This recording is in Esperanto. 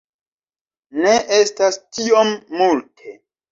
Ne estas tiom multe.